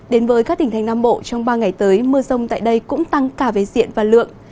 đến với các tỉnh thành nam bộ trong ba ngày tới mưa rông tại đây cũng tăng cả về diện và lượng